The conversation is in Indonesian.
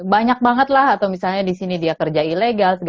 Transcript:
banyak banget lah atau misalnya di sini dia kerja ilegal